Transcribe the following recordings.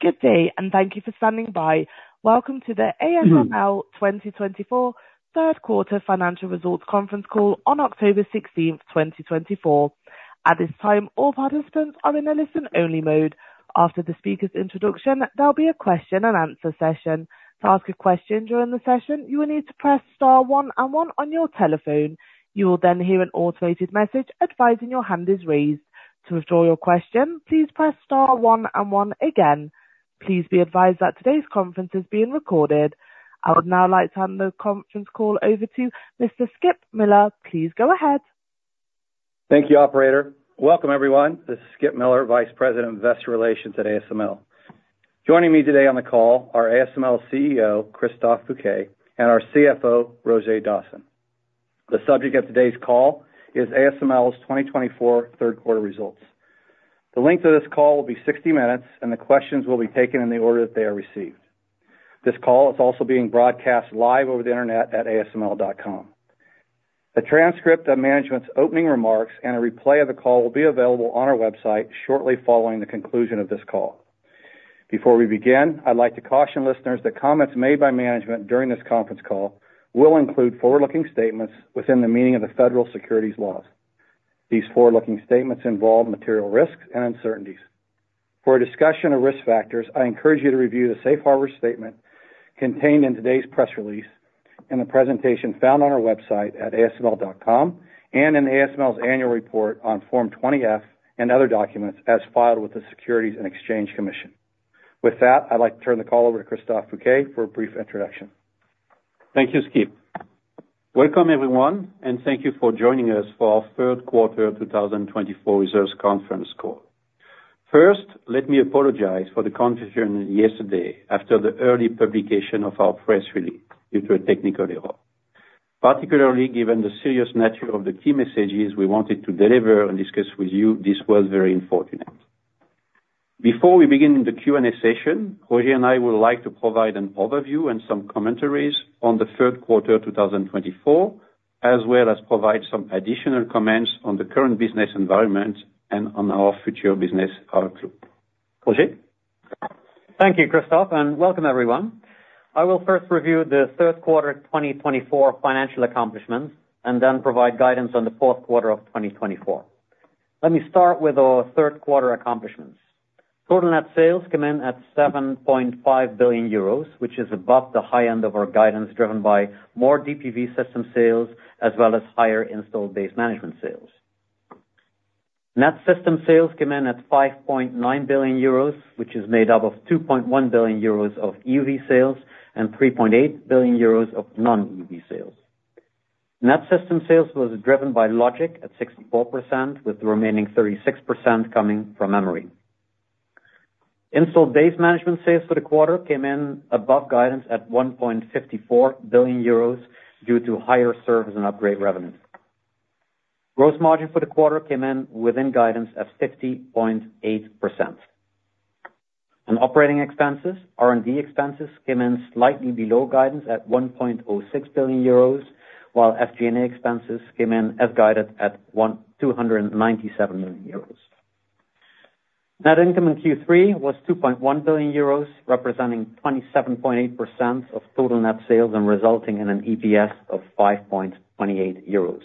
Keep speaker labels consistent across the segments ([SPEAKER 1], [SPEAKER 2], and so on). [SPEAKER 1] Good day, and thank you for standing by. Welcome to the ASML 2024 Third Quarter Financial Results Conference Call on October 16th, 2024. At this time, all participants are in a listen-only mode. After the speaker's introduction, there'll be a question-and-answer session. To ask a question during the session, you will need to press star one and one on your telephone. You will then hear an automated message advising your hand is raised. To withdraw your question, please press star one and one again. Please be advised that today's conference is being recorded. I would now like to hand the conference call over to Mr. Skip Miller. Please go ahead.
[SPEAKER 2] Thank you, Operator. Welcome, everyone. This is Skip Miller, Vice President of Investor Relations at ASML. Joining me today on the call are ASML's CEO, Christophe Fouquet, and our CFO, Roger Dassen. The subject of today's call is ASML's 2024 third quarter results. The length of this call will be 60 minutes, and the questions will be taken in the order that they are received. This call is also being broadcast live over the internet at ASML.com. A transcript of management's opening remarks and a replay of the call will be available on our website shortly following the conclusion of this call. Before we begin, I'd like to caution listeners that comments made by management during this conference call will include forward-looking statements within the meaning of the federal securities laws. These forward-looking statements involve material risks and uncertainties. For a discussion of risk factors, I encourage you to review the Safe Harbor statement contained in today's press release and the presentation found on our website at ASML.com and in ASML's annual report on Form 20-F and other documents as filed with the Securities and Exchange Commission. With that, I'd like to turn the call over to Christophe Fouquet for a brief introduction.
[SPEAKER 3] Thank you, Skip. Welcome, everyone, and thank you for joining us for our third quarter 2024 results conference call. First, let me apologize for the confusion yesterday after the early publication of our press release due to a technical error. Particularly given the serious nature of the key messages we wanted to deliver and discuss with you, this was very unfortunate. Before we begin the Q&A session, Roger and I would like to provide an overview and some commentaries on the third quarter 2024, as well as provide some additional comments on the current business environment and on our future business outlook. Roger.
[SPEAKER 4] Thank you, Christophe, and welcome, everyone. I will first review the third quarter 2024 financial accomplishments and then provide guidance on the fourth quarter of 2024. Let me start with our third quarter accomplishments. Total net sales came in at 7.5 billion euros, which is above the high end of our guidance driven by more DUV system sales as well as higher installed base management sales. Net system sales came in at 5.9 billion euros, which is made up of 2.1 billion euros of EUV sales and 3.8 billion euros of non-EUV sales. Net system sales was driven by logic at 64%, with the remaining 36% coming from memory. Installed base management sales for the quarter came in above guidance at 1.54 billion euros due to higher service and upgrade revenue. Gross margin for the quarter came in within guidance at 50.8%. Operating expenses, R&D expenses, came in slightly below guidance at 1.06 billion euros, while SG&A expenses came in as guided at 297 million euros. Net income in Q3 was 2.1 billion euros, representing 27.8% of total net sales and resulting in an EPS of 5.28 euros.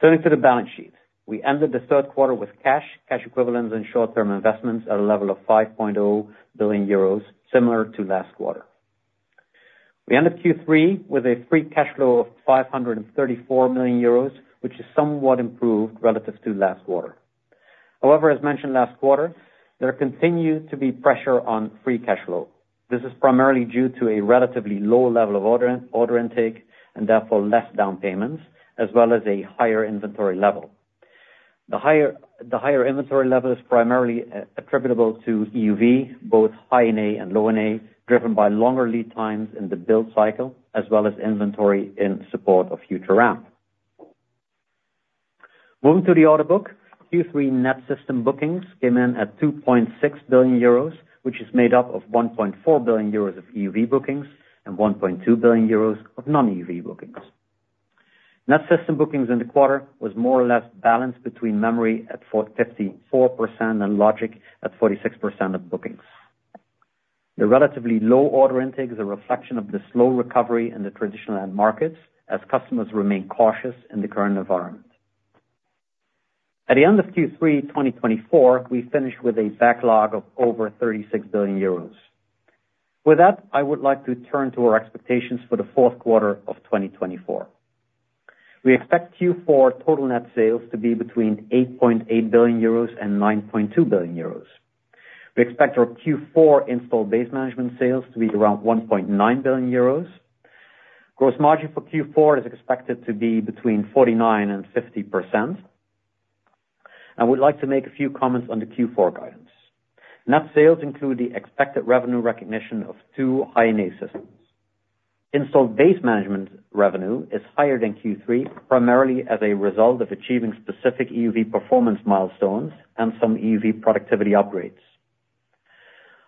[SPEAKER 4] Turning to the balance sheet, we ended the third quarter with cash, cash equivalents, and short-term investments at a level of 5.0 billion euros, similar to last quarter. We ended Q3 with a free cash flow of 534 million euros, which is somewhat improved relative to last quarter. However, as mentioned last quarter, there continued to be pressure on free cash flow. This is primarily due to a relatively low level of order intake and therefore less down payments, as well as a higher inventory level. The higher inventory level is primarily attributable to EUV, both High NA and Low NA, driven by longer lead times in the build cycle, as well as inventory in support of future ramp. Moving to the order book, Q3 net system bookings came in at 2.6 billion euros, which is made up of 1.4 billion euros of EUV bookings and 1.2 billion euros of non-EUV bookings. Net system bookings in the quarter was more or less balanced between memory at 54% and logic at 46% of bookings. The relatively low order intake is a reflection of the slow recovery in the traditional end markets as customers remain cautious in the current environment. At the end of Q3 2024, we finished with a backlog of over 36 billion euros. With that, I would like to turn to our expectations for the fourth quarter of 2024. We expect Q4 total net sales to be between 8.8 billion-9.2 billion euros. We expect our Q4 installed base management sales to be around 1.9 billion euros. Gross margin for Q4 is expected to be between 49%-50%. I would like to make a few comments on the Q4 guidance. Net sales include the expected revenue recognition of two High NA systems. Installed base management revenue is higher than Q3, primarily as a result of achieving specific EUV performance milestones and some EUV productivity upgrades.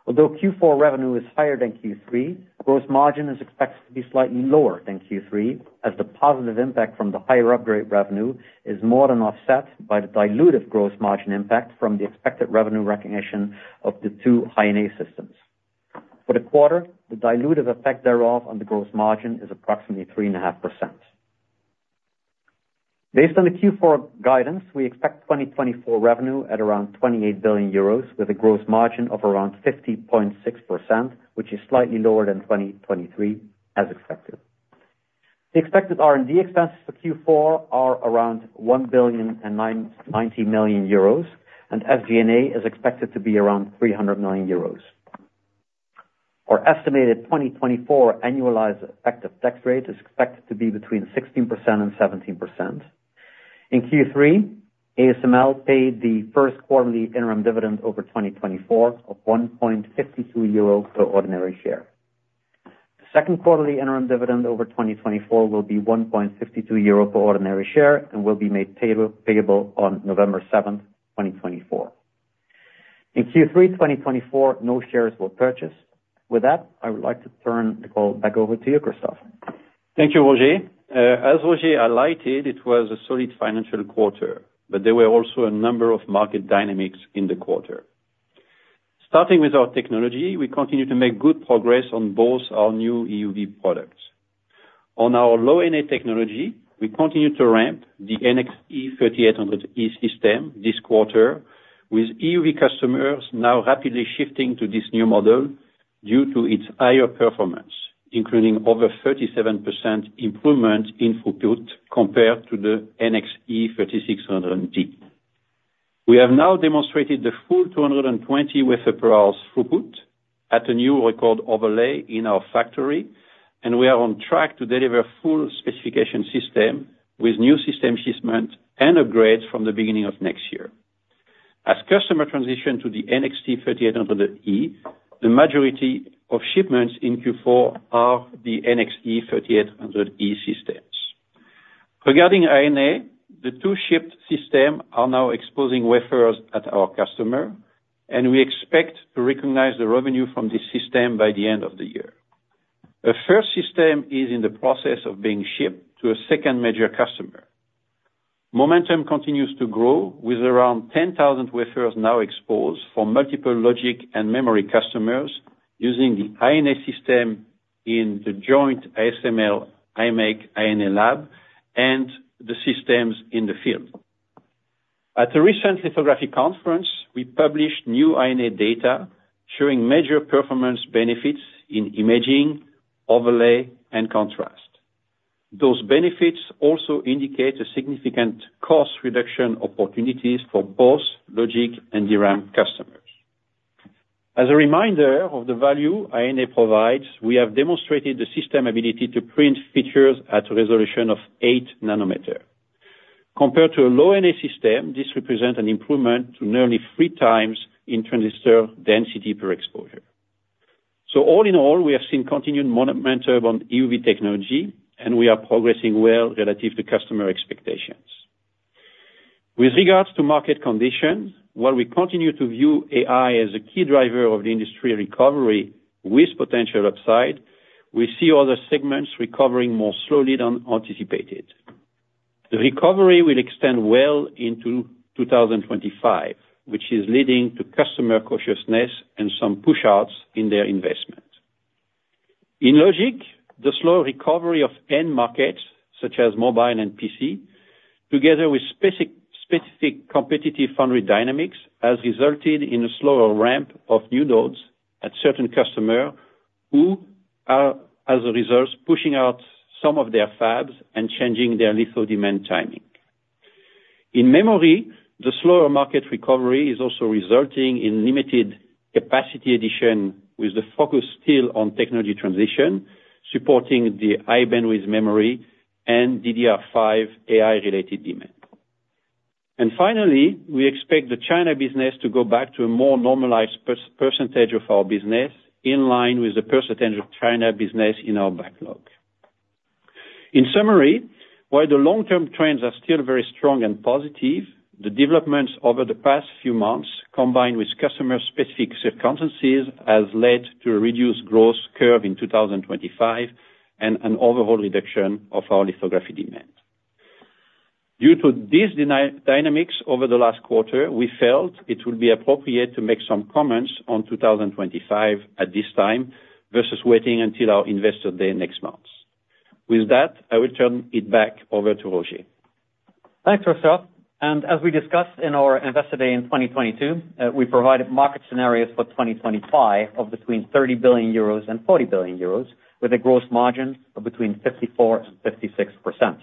[SPEAKER 4] Although Q4 revenue is higher than Q3, gross margin is expected to be slightly lower than Q3, as the positive impact from the higher upgrade revenue is more than offset by the dilutive gross margin impact from the expected revenue recognition of the two High NA systems. For the quarter, the dilutive effect thereof on the gross margin is approximately 3.5%. Based on the Q4 guidance, we expect 2024 revenue at around 28 billion euros, with a gross margin of around 50.6%, which is slightly lower than 2023, as expected. The expected R&D expenses for Q4 are around 1.9 billion, and SG&A is expected to be around 300 million euros. Our estimated 2024 annualized effective tax rate is expected to be between 16%-17%. In Q3, ASML paid the first quarterly interim dividend over 2024 of 1.52 euro per ordinary share. The second quarterly interim dividend over 2024 will be 1.52 euro per ordinary share and will be made payable on November 7th, 2024. In Q3 2024, no shares were purchased. With that, I would like to turn the call back over to you, Christophe.
[SPEAKER 3] Thank you, Roger. As Roger highlighted, it was a solid financial quarter, but there were also a number of market dynamics in the quarter. Starting with our technology, we continue to make good progress on both our new EUV products. On our Low NA technology, we continue to ramp the NXE:3800E system this quarter, with EUV customers now rapidly shifting to this new model due to its higher performance, including over 37% improvement in throughput compared to the NXE:3600D. We have now demonstrated the full 220 wph throughput at a new record overlay in our factory, and we are on track to deliver a full specification system with new system shipments and upgrades from the beginning of next year. As customers transition to the NXE:3800E, the majority of shipments in Q4 are the NXE:3800E systems. Regarding High NA, the two shipped systems are now exposing wafers at our customer, and we expect to recognize the revenue from this system by the end of the year. A first system is in the process of being shipped to a second major customer. Momentum continues to grow, with around 10,000 wafers now exposed for multiple logic and memory customers using the High NA system in the joint ASML imec High NA Lab and the systems in the field. At a recent lithography conference, we published new High NA data showing major performance benefits in imaging, overlay, and contrast. Those benefits also indicate a significant cost reduction opportunities for both logic and DRAM customers. As a reminder of the value High NA provides, we have demonstrated the system's ability to print features at a resolution of eight nanometers. Compared to a Low NA system, this represents an improvement to nearly 3x in transistor density per exposure, so all in all, we have seen continued momentum on EUV technology, and we are progressing well relative to customer expectations. With regards to market conditions, while we continue to view AI as a key driver of the industry recovery with potential upside, we see other segments recovering more slowly than anticipated. The recovery will extend well into 2025, which is leading to customer cautiousness and some push-outs in their investment. In logic, the slow recovery of end markets, such as mobile and PC, together with specific competitive foundry dynamics, has resulted in a slower ramp of new nodes at certain customers who are, as a result, pushing out some of their fabs and changing their litho-demand timing. In memory, the slower market recovery is also resulting in limited capacity addition, with the focus still on technology transition, supporting the high bandwidth memory and DDR5 AI-related demand. And finally, we expect the China business to go back to a more normalized percentage of our business, in line with the percentage of China business in our backlog. In summary, while the long-term trends are still very strong and positive, the developments over the past few months, combined with customer-specific circumstances, have led to a reduced growth curve in 2025 and an overall reduction of our lithography demand. Due to these dynamics over the last quarter, we felt it would be appropriate to make some comments on 2025 at this time versus waiting until our Investor Day next month. With that, I will turn it back over to Roger.
[SPEAKER 4] Thanks, Christophe. And as we discussed in our Investor Day in 2022, we provided market scenarios for 2025 of between 30 billion-40 billion euros, with a gross margin of between 54%-56%.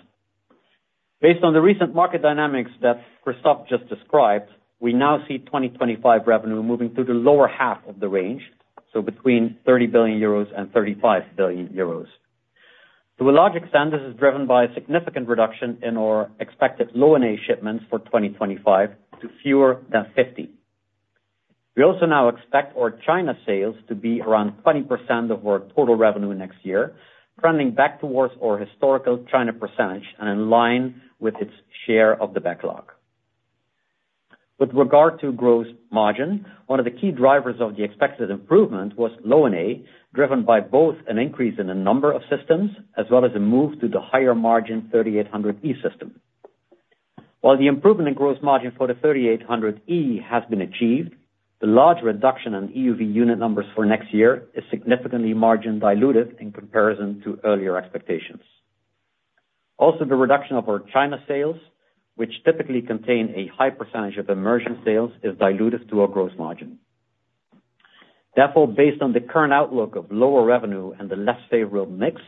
[SPEAKER 4] Based on the recent market dynamics that Christophe just described, we now see 2025 revenue moving to the lower half of the range, so between 30 billion-35 billion euros. To a large extent, this is driven by a significant reduction in our expected Low NA shipments for 2025 to fewer than 50. We also now expect our China sales to be around 20% of our total revenue next year, trending back towards our historical China percentage and in line with its share of the backlog. With regard to gross margin, one of the key drivers of the expected improvement was Low NA, driven by both an increase in the number of systems as well as a move to the higher margin 3800E system. While the improvement in gross margin for the 3800E has been achieved, the large reduction in EUV unit numbers for next year is significantly margin diluted in comparison to earlier expectations. Also, the reduction of our China sales, which typically contain a high percentage of immersion sales, is diluted to our gross margin. Therefore, based on the current outlook of lower revenue and the less favorable mix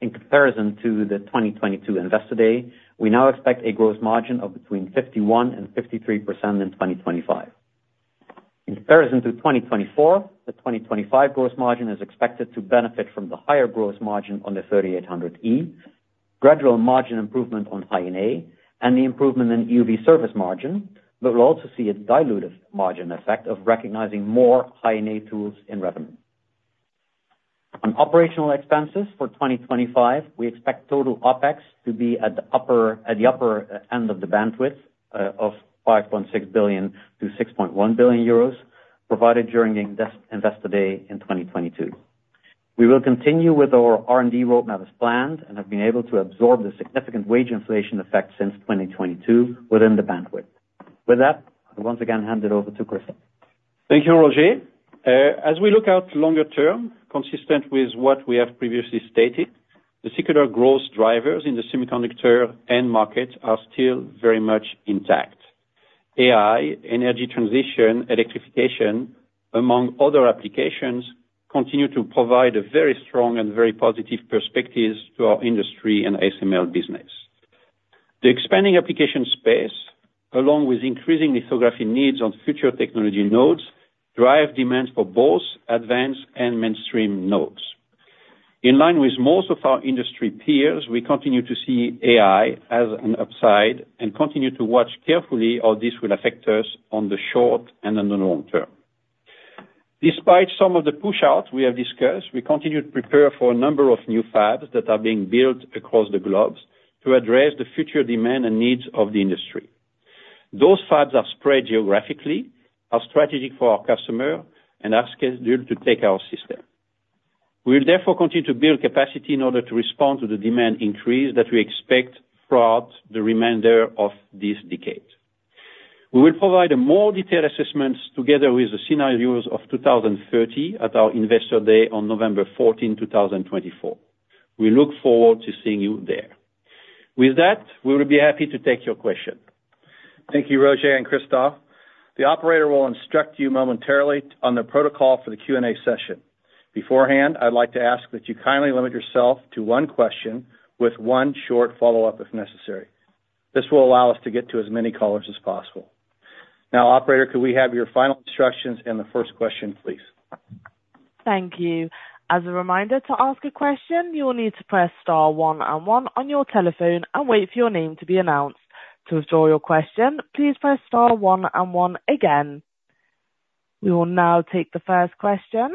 [SPEAKER 4] in comparison to the 2022 Investor Day, we now expect a gross margin of between 51%-53% in 2025. In comparison to 2024, the 2025 gross margin is expected to benefit from the higher gross margin on the 3800E, gradual margin improvement on High NA, and the improvement in EUV service margin, but we'll also see a dilutive margin effect of recognizing more High NA tools in revenue. On operational expenses for 2025, we expect total OpEx to be at the upper end of the bandwidth of 5.6 billion to 6.1 billion euros, provided during the Investor Day in 2022. We will continue with our R&D roadmap as planned and have been able to absorb the significant wage inflation effect since 2022 within the bandwidth. With that, I will once again hand it over to Christophe.
[SPEAKER 3] Thank you, Roger. As we look out longer term, consistent with what we have previously stated, the secular growth drivers in the semiconductor end market are still very much intact. AI, energy transition, electrification, among other applications, continue to provide a very strong and very positive perspective to our industry and ASML business. The expanding application space, along with increasing lithography needs on future technology nodes, drive demand for both advanced and mainstream nodes. In line with most of our industry peers, we continue to see AI as an upside and continue to watch carefully how this will affect us on the short and on the long term. Despite some of the push-outs we have discussed, we continue to prepare for a number of new fabs that are being built across the globe to address the future demand and needs of the industry. Those fabs are spread geographically, are strategic for our customer, and are scheduled to take our system. We will therefore continue to build capacity in order to respond to the demand increase that we expect throughout the remainder of this decade. We will provide a more detailed assessment together with the scenarios of 2030 at our Investor Day on November 14, 2024. We look forward to seeing you there. With that, we will be happy to take your question.
[SPEAKER 2] Thank you, Roger and Christophe. The operator will instruct you momentarily on the protocol for the Q&A session. Beforehand, I'd like to ask that you kindly limit yourself to one question with one short follow-up if necessary. This will allow us to get to as many callers as possible. Now, operator, could we have your final instructions and the first question, please?
[SPEAKER 1] Thank you. As a reminder to ask a question, you will need to press star one and one on your telephone and wait for your name to be announced. To withdraw your question, please press star one and one again. We will now take the first question.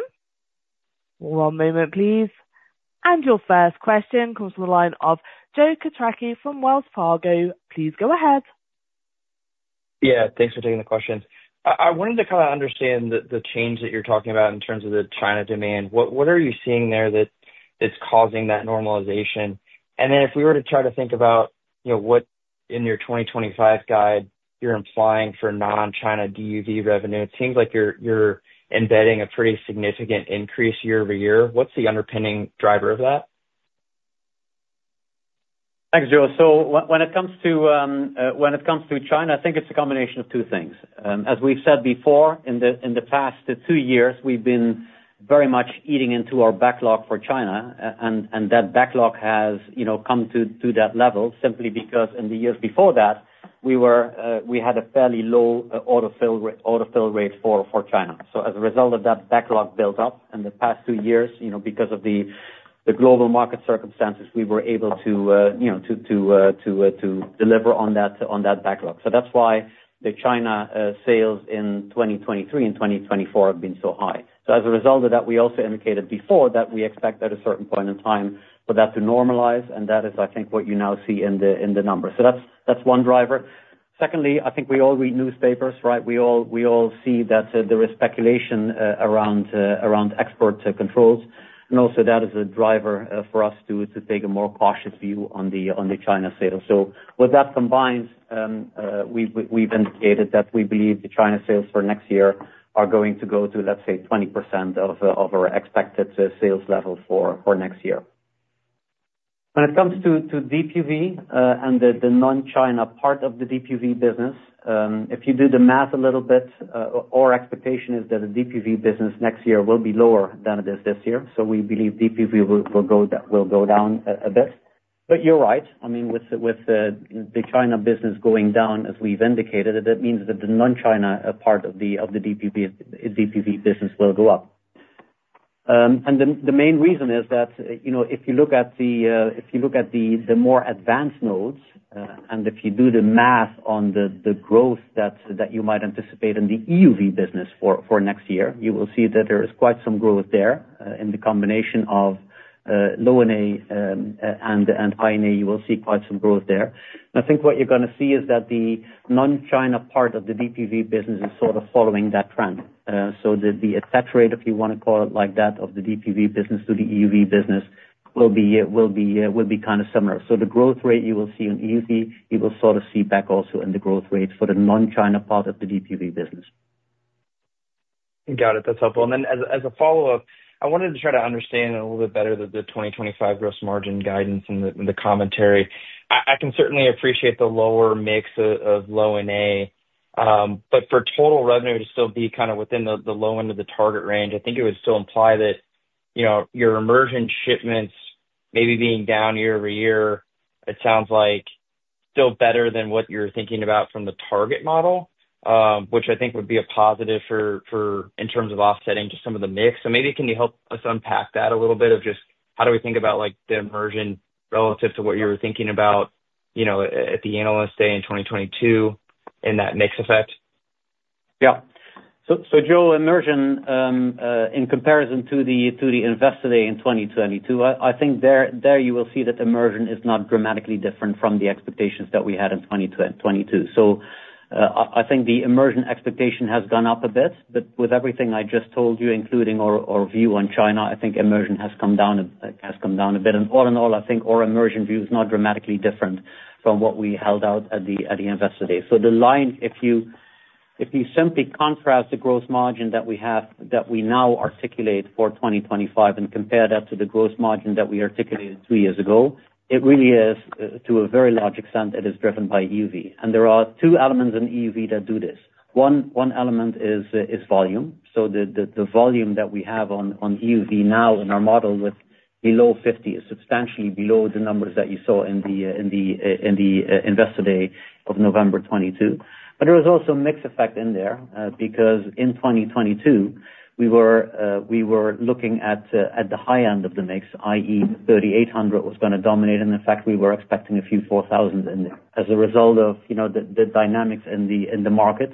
[SPEAKER 1] Hold on a moment, please, and your first question comes from the line of Joe Quatrochi from Wells Fargo. Please go ahead.
[SPEAKER 5] Yeah, thanks for taking the question. I wanted to kind of understand the change that you're talking about in terms of the China demand. What are you seeing there that's causing that normalization? And then if we were to try to think about what in your 2025 guide you're implying for non-China DUV revenue, it seems like you're embedding a pretty significant increase year-over-year. What's the underpinning driver of that?
[SPEAKER 4] Thanks, Joe. So when it comes to China, I think it's a combination of two things. As we've said before, in the past two years, we've been very much eating into our backlog for China, and that backlog has come to that level simply because in the years before that, we had a fairly low order fill rate for China. So as a result of that backlog built up in the past two years, because of the global market circumstances, we were able to deliver on that backlog. So that's why the China sales in 2023 and 2024 have been so high. So as a result of that, we also indicated before that we expect at a certain point in time for that to normalize, and that is, I think, what you now see in the numbers. So that's one driver. Secondly, I think we all read newspapers, right? We all see that there is speculation around export controls, and also that is a driver for us to take a more cautious view on the China sales. So with that combined, we've indicated that we believe the China sales for next year are going to go to, let's say, 20% of our expected sales level for next year. When it comes to DUV and the non-China part of the DUV business, if you do the math a little bit, our expectation is that the DUV business next year will be lower than it is this year. So we believe DUV will go down a bit. But you're right. I mean, with the China business going down, as we've indicated, that means that the non-China part of the DUV business will go up. The main reason is that if you look at the more advanced nodes, and if you do the math on the growth that you might anticipate in the EUV business for next year, you will see that there is quite some growth there in the combination of Low NA and high NA. You will see quite some growth there. I think what you're going to see is that the non-China part of the DUV business is sort of following that trend. So the attach rate, if you want to call it like that, of the DUV business to the EUV business will be kind of similar. So the growth rate you will see in EUV, you will sort of see back also in the growth rate for the non-China part of the DUV business.
[SPEAKER 5] Got it. That's helpful. And then as a follow-up, I wanted to try to understand a little bit better the 2025 gross margin guidance and the commentary. I can certainly appreciate the lower mix of Low NA, but for total revenue to still be kind of within the low end of the target range, I think it would still imply that your immersion shipments maybe being down year-over-year. It sounds like still better than what you're thinking about from the target model, which I think would be a positive in terms of offsetting to some of the mix. So maybe can you help us unpack that a little bit of just how do we think about the immersion relative to what you were thinking about at the analyst day in 2022 and that mix effect?
[SPEAKER 4] Yeah. So Joe, immersion in comparison to the Investor Day in 2022, I think there you will see that immersion is not dramatically different from the expectations that we had in 2022. So I think the immersion expectation has gone up a bit, but with everything I just told you, including our view on China, I think immersion has come down a bit. And all in all, I think our immersion view is not dramatically different from what we held out at the Investor Day. So the line, if you simply contrast the gross margin that we have that we now articulate for 2025 and compare that to the gross margin that we articulated two years ago, it really is, to a very large extent, it is driven by EUV. And there are two elements in EUV that do this. One element is volume. So the volume that we have on EUV now in our model with below 50 is substantially below the numbers that you saw in the Investor Day of November 22. But there is also a mix effect in there because in 2022, we were looking at the high end of the mix, i.e., 3800 was going to dominate, and in fact, we were expecting a few 4000s in there. As a result of the dynamics in the market,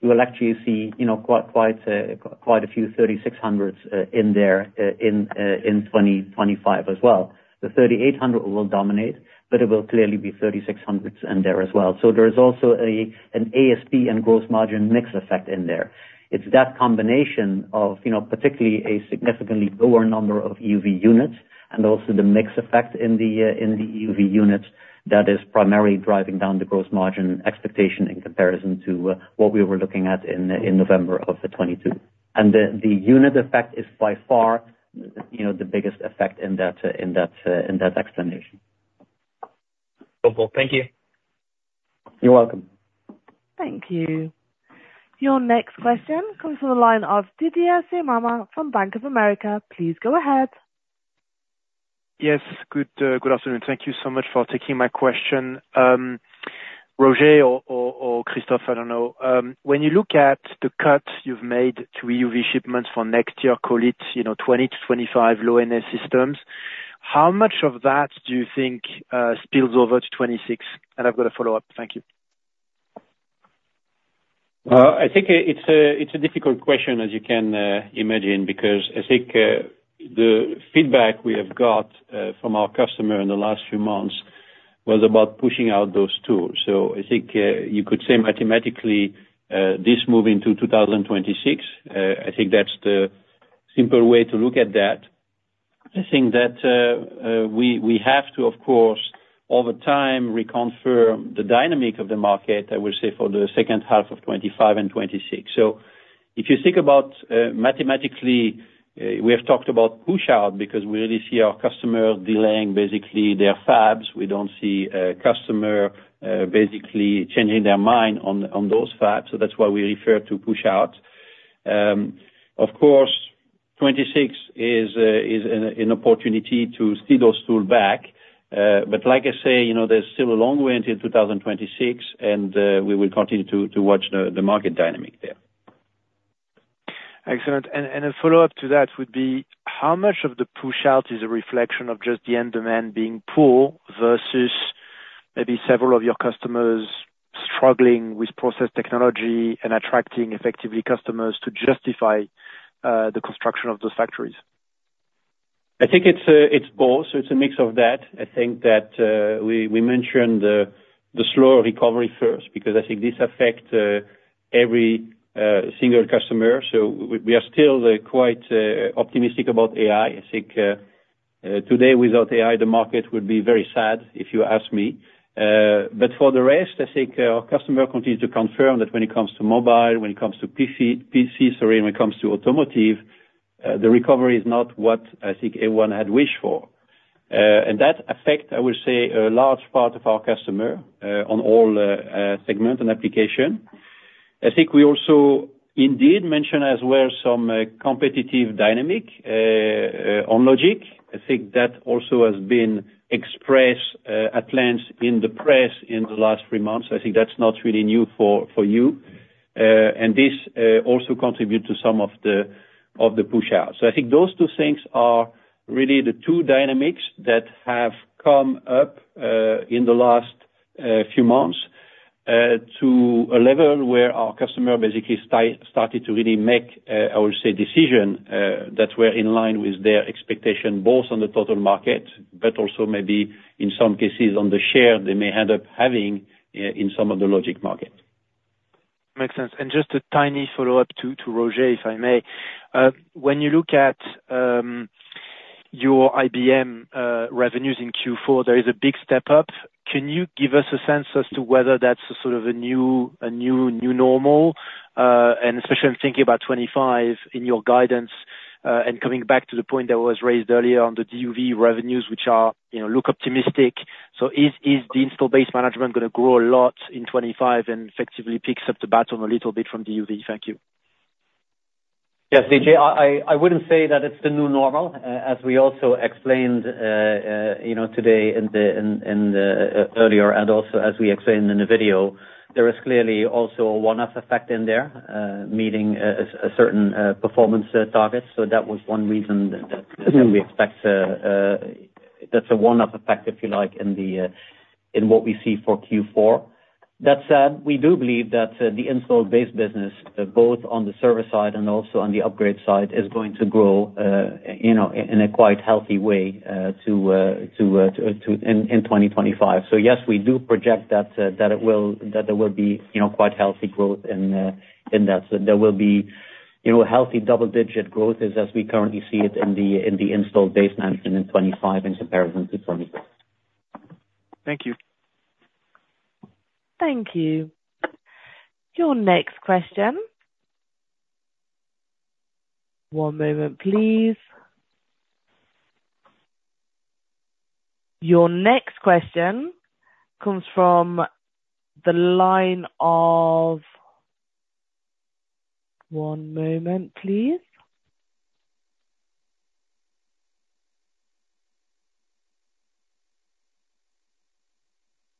[SPEAKER 4] you will actually see quite a few 3600s in there in 2025 as well. The 3800 will dominate, but it will clearly be 3600s in there as well. So there is also an ASP and gross margin mix effect in there. It's that combination of particularly a significantly lower number of EUV units and also the mix effect in the EUV units that is primarily driving down the gross margin expectation in comparison to what we were looking at in November of 2022, and the unit effect is by far the biggest effect in that explanation.
[SPEAKER 5] Helpful. Thank you.
[SPEAKER 4] You're welcome.
[SPEAKER 1] Thank you. Your next question comes from the line of Didier Scemama from Bank of America. Please go ahead.
[SPEAKER 6] Yes. Good afternoon. Thank you so much for taking my question. Roger or Christophe, I don't know. When you look at the cut you've made to EUV shipments for next year, call it 20-25 Low NA systems, how much of that do you think spills over to 26? And I've got a follow-up. Thank you.
[SPEAKER 3] I think it's a difficult question, as you can imagine, because I think the feedback we have got from our customer in the last few months was about pushing out those tools. So I think you could say mathematically this moving to 2026. I think that's the simple way to look at that. I think that we have to, of course, over time reconfirm the dynamic of the market, I would say, for the second half of 2025 and 2026. So if you think about mathematically, we have talked about push-out because we really see our customer delaying basically their fabs. We don't see a customer basically changing their mind on those fabs. So that's why we refer to push-out. Of course, 2026 is an opportunity to steer those tools back. But, like I say, there's still a long way until 2026, and we will continue to watch the market dynamic there.
[SPEAKER 6] Excellent, and a follow-up to that would be how much of the push-out is a reflection of just the end demand being poor versus maybe several of your customers struggling with process technology and attracting effectively customers to justify the construction of those factories?
[SPEAKER 3] I think it's both. So it's a mix of that. I think that we mentioned the slower recovery first because I think this affects every single customer. So we are still quite optimistic about AI. I think today without AI, the market would be very sad, if you ask me. But for the rest, I think our customer continues to confirm that when it comes to mobile, when it comes to PC, sorry, when it comes to automotive, the recovery is not what I think everyone had wished for. And that affects, I would say, a large part of our customer on all segments and applications. I think we also indeed mentioned as well some competitive dynamic on logic. I think that also has been expressed at length in the press in the last three months. I think that's not really new for you. And this also contributes to some of the push-out. So I think those two things are really the two dynamics that have come up in the last few months to a level where our customer basically started to really make, I would say, decisions that were in line with their expectations, both on the total market, but also maybe in some cases on the share they may end up having in some of the logic market.
[SPEAKER 6] Makes sense, and just a tiny follow-up to Roger, if I may. When you look at your installed base revenues in Q4, there is a big step up. Can you give us a sense as to whether that's sort of a new normal? And especially I'm thinking about 25 in your guidance and coming back to the point that was raised earlier on the DUV revenues, which look optimistic. So is the installed base management going to grow a lot in 25 and effectively pick up the baton a little bit from DUV? Thank you.
[SPEAKER 4] Yes, Didier. I wouldn't say that it's the new normal. As we also explained today and earlier, and also as we explained in the video, there is clearly also a one-off effect in there meeting a certain performance target. So that was one reason that we expect that's a one-off effect, if you like, in what we see for Q4. That said, we do believe that the installed base business, both on the service side and also on the upgrade side, is going to grow in a quite healthy way in 2025. So yes, we do project that there will be quite healthy growth in that. So there will be healthy double-digit growth as we currently see it in the installed base management in 2025 in comparison to 2026.
[SPEAKER 6] Thank you.
[SPEAKER 1] Thank you. Your next question. One moment, please. Your next question comes from the line of one moment, please.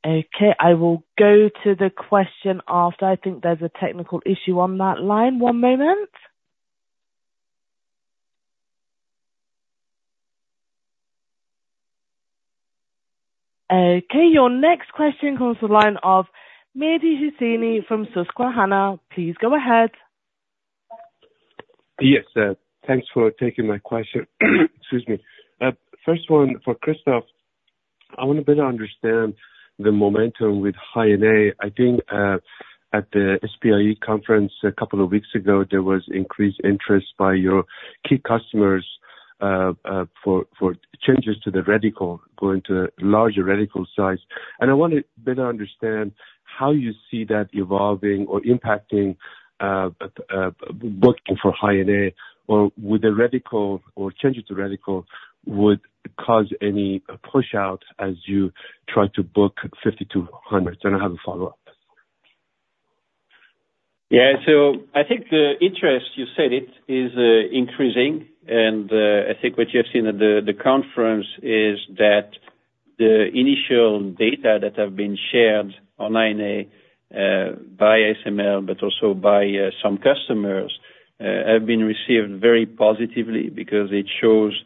[SPEAKER 1] Okay. I will go to the question after. I think there's a technical issue on that line. One moment. Okay. Your next question comes from the line of Mehdi Hosseini from Susquehanna. Please go ahead.
[SPEAKER 7] Yes. Thanks for taking my question. Excuse me. First one for Christophe. I want to better understand the momentum with High NA. I think at the SPIE conference a couple of weeks ago, there was increased interest by your key customers for changes to the reticle going to a larger reticle size. And I want to better understand how you see that evolving or impacting booking for High NA or with a reticle or changing to reticle would cause any push-out as you try to book 5200s. And I have a follow-up.
[SPEAKER 3] Yeah. So I think the interest, you said it, is increasing, and I think what you have seen at the conference is that the initial data that have been shared on High NA by ASML, but also by some customers, have been received very positively because it shows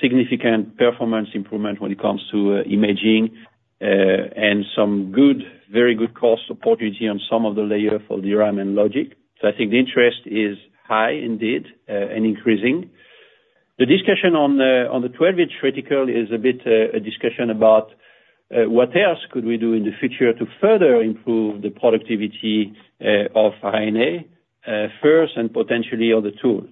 [SPEAKER 3] significant performance improvement when it comes to imaging and some good, very good cost opportunity on some of the layer for the RAM and logic, so I think the interest is high indeed and increasing. The discussion on the 12-inch reticle is a bit a discussion about what else could we do in the future to further improve the productivity of High NA first and potentially other tools,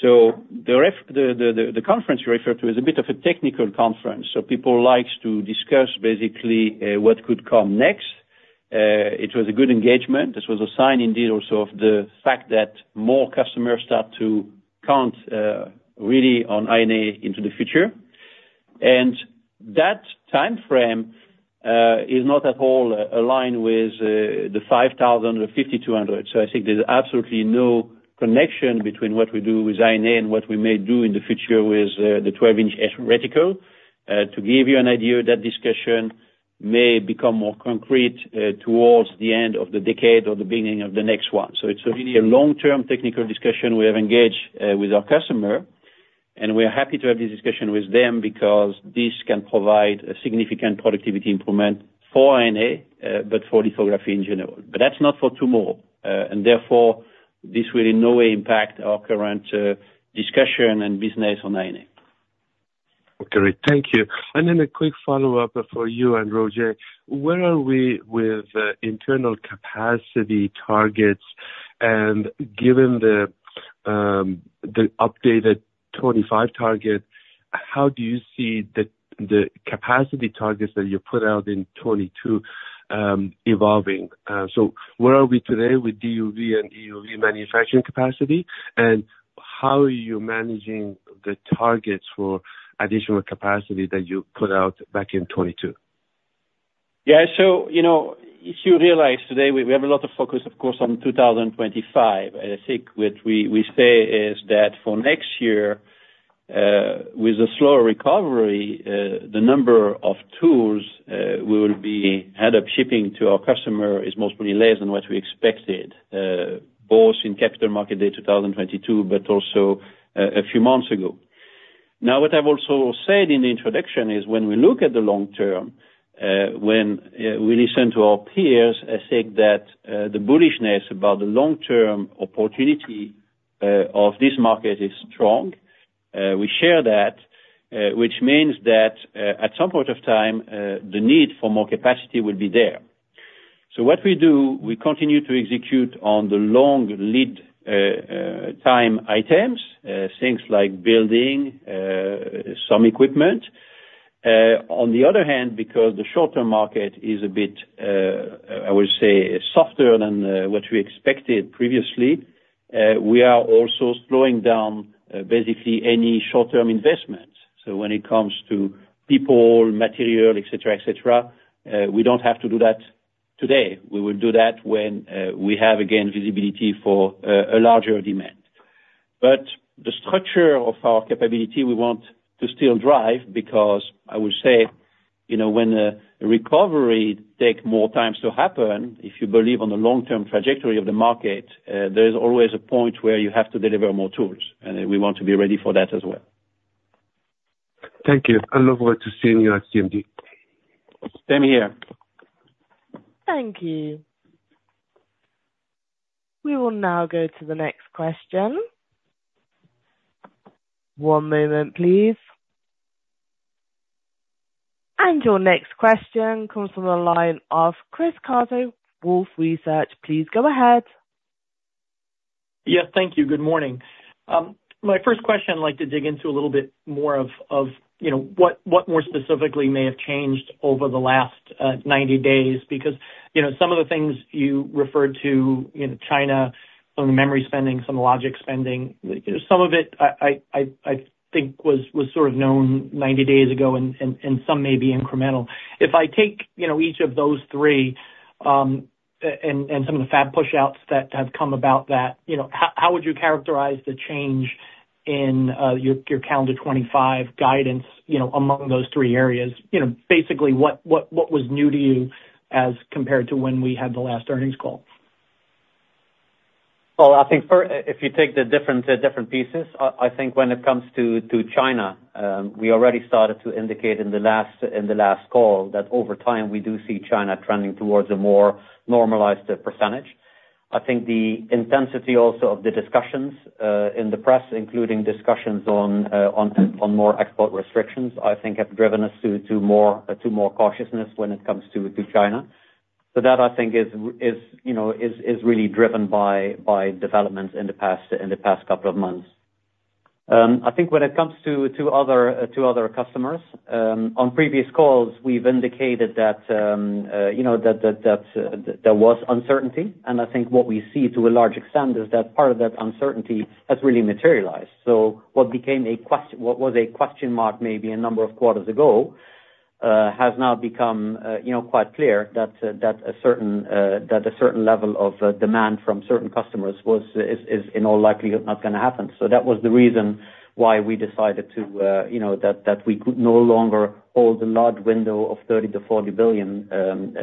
[SPEAKER 3] so the conference you referred to is a bit of a technical conference, so people like to discuss basically what could come next. It was a good engagement. This was a sign indeed also of the fact that more customers start to count really on High NA into the future, and that timeframe is not at all aligned with the EXE:5000 or EXE:5200, so I think there's absolutely no connection between what we do with High NA and what we may do in the future with the 12-inch reticle. To give you an idea, that discussion may become more concrete towards the end of the decade or the beginning of the next one, so it's really a long-term technical discussion we have engaged with our customer, and we're happy to have this discussion with them because this can provide a significant productivity improvement for High NA, but for lithography in general, but that's not for tomorrow, and therefore, this will in no way impact our current discussion and business on High NA.
[SPEAKER 7] Okay. Thank you. And then a quick follow-up for you and Roger. Where are we with internal capacity targets? And given the updated 2025 target, how do you see the capacity targets that you put out in 2022 evolving? So where are we today with DUV and EUV manufacturing capacity? And how are you managing the targets for additional capacity that you put out back in 2022?
[SPEAKER 3] Yeah. So if you realize today, we have a lot of focus, of course, on 2025. And I think what we say is that for next year, with the slower recovery, the number of tools we will be ramping up shipping to our customer is most probably less than what we expected, both in Capital Markets Day 2022, but also a few months ago. Now, what I've also said in the introduction is when we look at the long term, when we listen to our peers, I think that the bullishness about the long-term opportunity of this market is strong. We share that, which means that at some point in time, the need for more capacity will be there. So what we do, we continue to execute on the long lead time items, things like building, some equipment. On the other hand, because the short-term market is a bit, I would say, softer than what we expected previously, we are also slowing down basically any short-term investments. So when it comes to people, material, etc., etc., we don't have to do that today. We will do that when we have, again, visibility for a larger demand. But the structure of our capability, we want to still drive because I would say when a recovery takes more time to happen, if you believe on the long-term trajectory of the market, there is always a point where you have to deliver more tools. And we want to be ready for that as well.
[SPEAKER 7] Thank you. I love what you're seeing here at CMD.
[SPEAKER 3] Same here.
[SPEAKER 1] Thank you. We will now go to the next question. One moment, please. And your next question comes from the line of Chris Caso, Wolfe Research. Please go ahead.
[SPEAKER 8] Yes. Thank you. Good morning. My first question, I'd like to dig into a little bit more of what more specifically may have changed over the last 90 days because some of the things you referred to, China, some of the memory spending, some of the logic spending, some of it I think was sort of known 90 days ago and some may be incremental. If I take each of those three and some of the fab push-outs that have come about that, how would you characterize the change in your calendar 2025 guidance among those three areas? Basically, what was new to you as compared to when we had the last earnings call?
[SPEAKER 4] I think if you take the different pieces, I think when it comes to China, we already started to indicate in the last call that over time we do see China trending towards a more normalized percentage. I think the intensity also of the discussions in the press, including discussions on more export restrictions, I think have driven us to more cautiousness when it comes to China. So that I think is really driven by developments in the past couple of months. I think when it comes to other customers, on previous calls, we've indicated that there was uncertainty. And I think what we see to a large extent is that part of that uncertainty has really materialized. So, what became a question—what was a question mark maybe a number of quarters ago—has now become quite clear that a certain level of demand from certain customers is in all likelihood not going to happen. So, that was the reason why we decided that we could no longer hold the large window of 30-40 billion in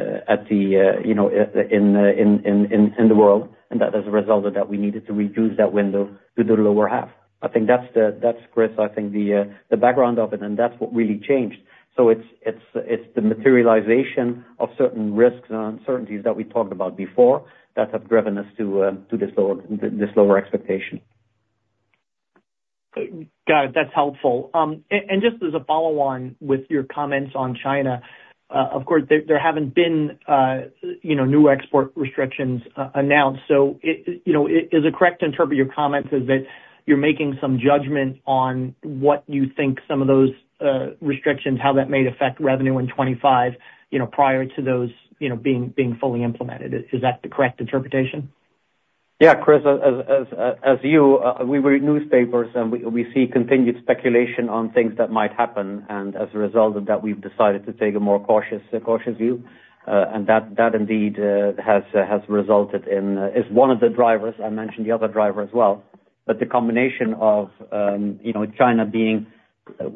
[SPEAKER 4] the world. And, as a result of that, we needed to reduce that window to the lower half. I think that's Chris. I think the background of it, and that's what really changed. So, it's the materialization of certain risks and uncertainties that we talked about before that have driven us to this lower expectation.
[SPEAKER 8] Got it. That's helpful, and just as a follow-on with your comments on China, of course, there haven't been new export restrictions announced, so is it correct to interpret your comments as that you're making some judgment on what you think some of those restrictions, how that may affect revenue in 2025 prior to those being fully implemented? Is that the correct interpretation?
[SPEAKER 4] Yeah. Chris, as you, we read newspapers and we see continued speculation on things that might happen. And as a result of that, we've decided to take a more cautious view. And that indeed has resulted in is one of the drivers. I mentioned the other driver as well. But the combination of China business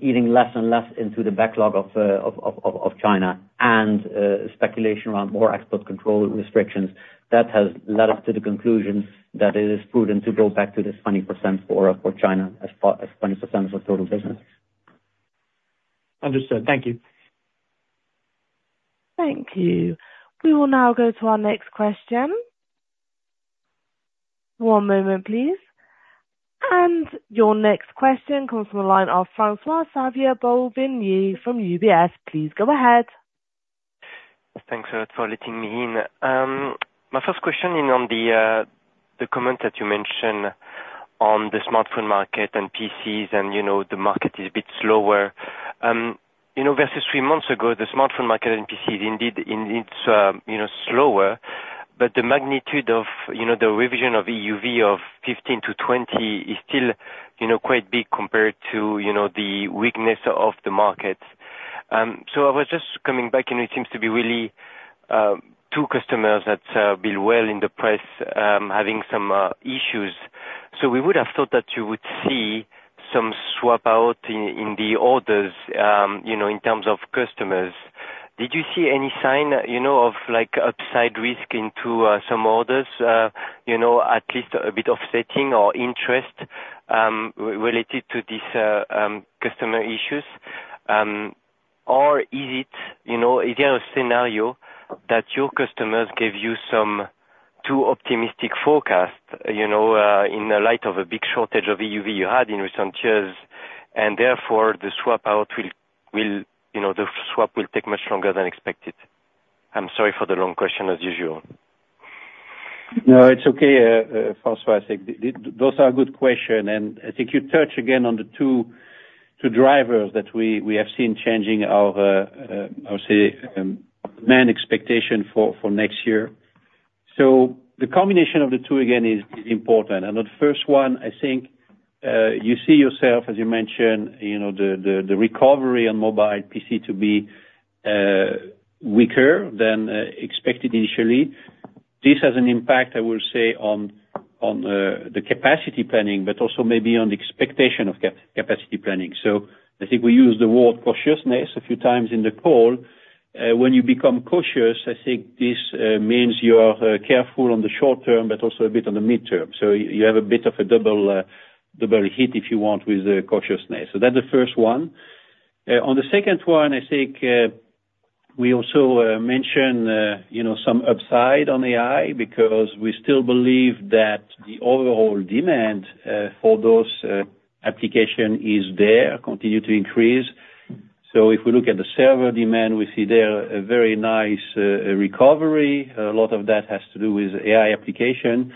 [SPEAKER 4] eating less and less into the backlog for China and speculation around more export control restrictions, that has led us to the conclusion that it is prudent to go back to this 20% for China as far as 20% of the total business.
[SPEAKER 8] Understood. Thank you.
[SPEAKER 1] Thank you. We will now go to our next question. One moment, please. And your next question comes from the line of François-Xavier Bouvignies, from UBS. Please go ahead.
[SPEAKER 9] Thanks for letting me in. My first question is on the comment that you mentioned on the smartphone market and PCs and the market is a bit slower. Versus three months ago, the smartphone market and PCs indeed needs slower, but the magnitude of the revision of EUV of 15-20 is still quite big compared to the weakness of the market. So I was just coming back and it seems to be really two customers that have been well in the press having some issues. So we would have thought that you would see some swap out in the orders in terms of customers. Did you see any sign of upside risk into some orders, at least a bit of offsetting or interest related to these customer issues? Or is it a scenario that your customers gave you some too optimistic forecast in the light of a big shortage of EUV you had in recent years and therefore the swap out will take much longer than expected? I'm sorry for the long question as usual.
[SPEAKER 3] No, it's okay, François. Those are good questions. And I think you touch again on the two drivers that we have seen changing our main expectation for next year. So the combination of the two again is important. And the first one, I think you see yourself, as you mentioned, the recovery on mobile PC to be weaker than expected initially. This has an impact, I will say, on the capacity planning, but also maybe on the expectation of capacity planning. So I think we used the word cautiousness a few times in the call. When you become cautious, I think this means you're careful on the short term, but also a bit on the midterm. So you have a bit of a double hit if you want with cautiousness. So that's the first one. On the second one, I think we also mentioned some upside on AI because we still believe that the overall demand for those applications is there, continue to increase. So if we look at the server demand, we see there a very nice recovery. A lot of that has to do with AI application.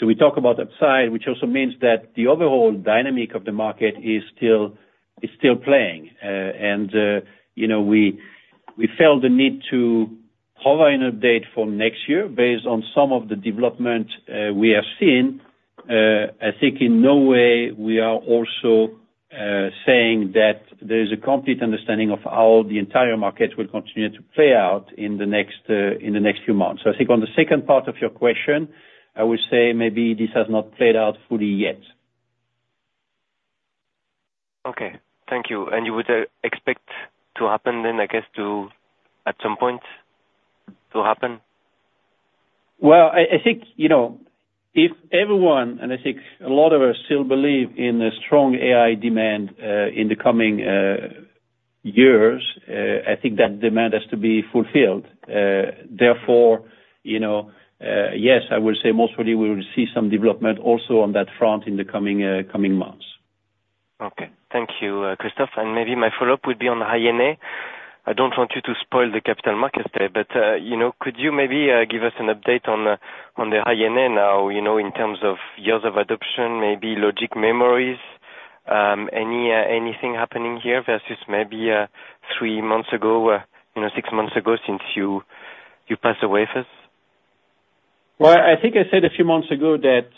[SPEAKER 3] So we talk about upside, which also means that the overall dynamic of the market is still playing. And we felt the need to provide an update for next year based on some of the development we have seen. I think in no way we are also saying that there is a complete understanding of how the entire market will continue to play out in the next few months. So I think on the second part of your question, I would say maybe this has not played out fully yet.
[SPEAKER 9] Okay. Thank you, and you would expect to happen then, I guess, at some point to happen?
[SPEAKER 3] I think if everyone, and I think a lot of us still believe in a strong AI demand in the coming years, I think that demand has to be fulfilled. Therefore, yes, I will say most probably we will see some development also on that front in the coming months.
[SPEAKER 9] Okay. Thank you, Christophe. And maybe my follow-up would be on the High NA. I don't want you to spoil the Capital Markets Day, but could you maybe give us an update on the High NA now in terms of years of adoption, maybe logic, memory, anything happening here versus maybe three months ago, six months ago since you first spoke?
[SPEAKER 3] I think I said a few months ago that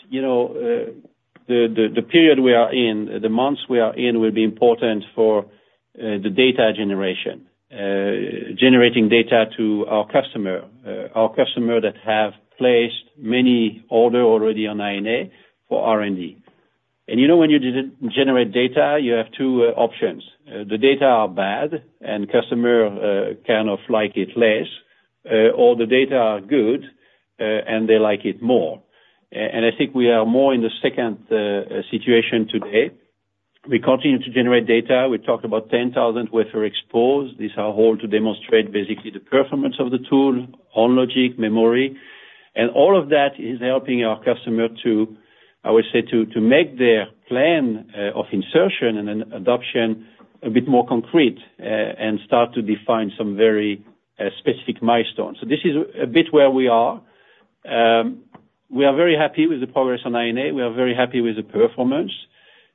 [SPEAKER 3] the period we are in, the months we are in will be important for the data generation, generating data to our customer, our customer that have placed many orders already on High NA for R&D. And when you generate data, you have two options. The data are bad and customer kind of like it less, or the data are good and they like it more. And I think we are more in the second situation today. We continue to generate data. We talk about 10,000 wafers exposed. These are all to demonstrate basically the performance of the tool, on logic, memory. And all of that is helping our customer to, I would say, to make their plan of insertion and adoption a bit more concrete and start to define some very specific milestones. This is a bit where we are. We are very happy with the progress on High NA. We are very happy with the performance.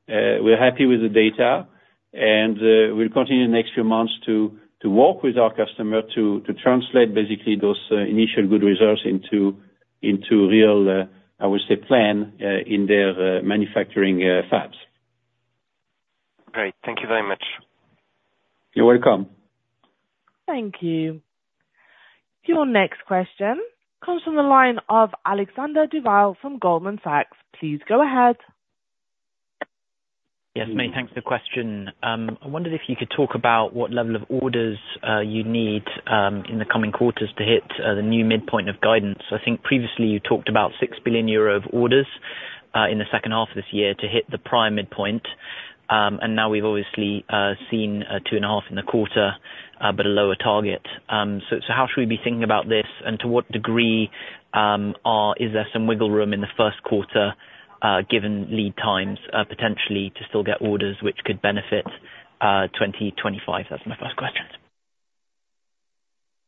[SPEAKER 3] We're happy with the data. We'll continue in the next few months to work with our customer to translate basically those initial good results into real, I would say, plan in their manufacturing fabs.
[SPEAKER 9] Great. Thank you very much.
[SPEAKER 3] You're welcome.
[SPEAKER 1] Thank you. Your next question comes from the line of Alexander Duval from Goldman Sachs. Please go ahead.
[SPEAKER 10] Yes, many thanks for the question. I wondered if you could talk about what level of orders you need in the coming quarters to hit the new midpoint of guidance. I think previously you talked about 6 billion euro of orders in the second half of this year to hit the prime midpoint. And now we've obviously seen two and a half in the quarter, but a lower target. So how should we be thinking about this? And to what degree is there some wiggle room in the first quarter given lead times potentially to still get orders which could benefit 2025? That's my first question.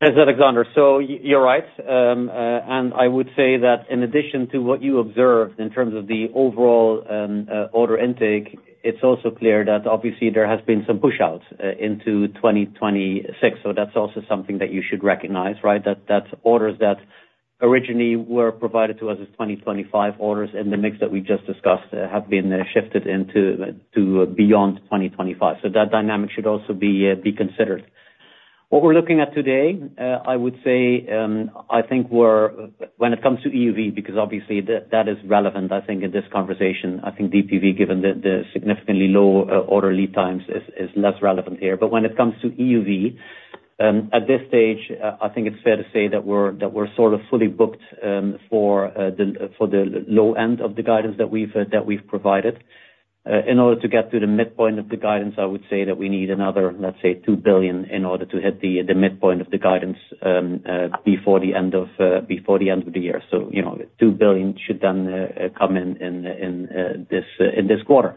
[SPEAKER 4] Thanks, Alexander. So you're right. And I would say that in addition to what you observed in terms of the overall order intake, it's also clear that obviously there has been some push-out into 2026. So that's also something that you should recognize, right? That orders that originally were provided to us as 2025 orders in the mix that we just discussed have been shifted into beyond 2025. So that dynamic should also be considered. What we're looking at today, I would say, I think when it comes to EUV, because obviously that is relevant, I think, in this conversation, I think DUV, given the significantly low order lead times, is less relevant here. But when it comes to EUV, at this stage, I think it's fair to say that we're sort of fully booked for the low end of the guidance that we've provided. In order to get to the midpoint of the guidance, I would say that we need another, let's say, 2 billion in order to hit the midpoint of the guidance before the end of the year. So 2 billion should then come in this quarter.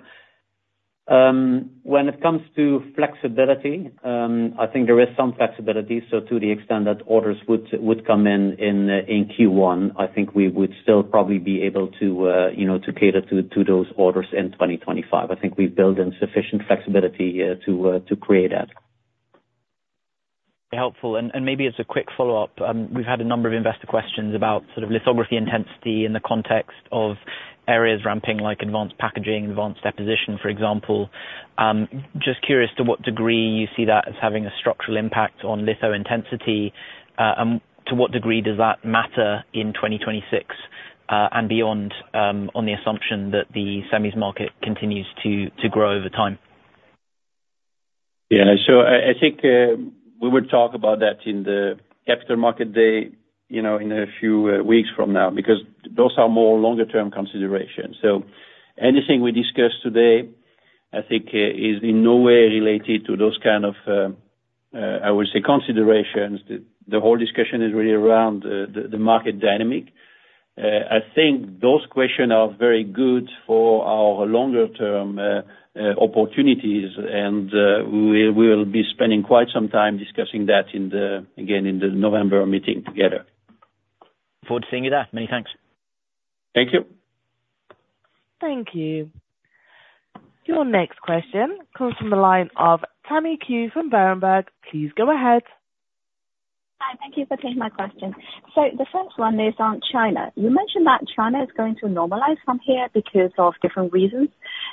[SPEAKER 4] When it comes to flexibility, I think there is some flexibility. So to the extent that orders would come in Q1, I think we would still probably be able to cater to those orders in 2025. I think we've built in sufficient flexibility to create that.
[SPEAKER 10] Helpful. And maybe as a quick follow-up, we've had a number of investor questions about sort of lithography intensity in the context of areas ramping like advanced packaging, advanced deposition, for example. Just curious to what degree you see that as having a structural impact on litho intensity? And to what degree does that matter in 2026 and beyond on the assumption that the semis market continues to grow over time?
[SPEAKER 3] Yeah. So I think we would talk about that in the Capital Markets Day in a few weeks from now because those are more longer-term considerations. So anything we discuss today, I think, is in no way related to those kind of, I would say, considerations. The whole discussion is really around the market dynamic. I think those questions are very good for our longer-term opportunities. And we will be spending quite some time discussing that, again, in the November meeting together.
[SPEAKER 10] Look forward to seeing you there. Many thanks.
[SPEAKER 3] Thank you.
[SPEAKER 1] Thank you. Your next question comes from the line of Tammy Qiu from Berenberg. Please go ahead.
[SPEAKER 11] Hi. Thank you for taking my question. So the first one is on China. You mentioned that China is going to normalize from here because of different reasons.